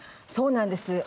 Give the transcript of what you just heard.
そうなんです。